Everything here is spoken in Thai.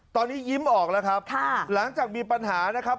ตอนนี้ยิ้มออกแล้วครับหลังจากมีปัญหานะครับ